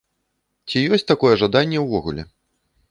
Ці ёсць такое жаданне ўвогуле?